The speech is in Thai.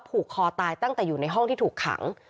ผูกคอตายตั้งแต่อยู่ในห้องที่ถูกขัง